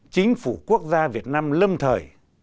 chính phủ quốc gia việt nam lâm thời